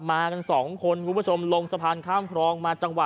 มากันสองคนคุณผู้ชมลงสะพานข้ามครองมาจังหวะ